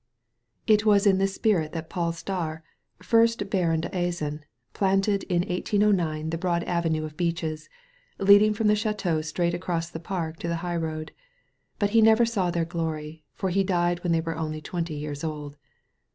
It was in tUs spirit that Pol Staar, first Baron d'Azan, planted in 1809 the broad avenue of beeches, leading from the ch&teau straight across the park to the highroad. But he never saw their glory, for he died when they were only twenty years old.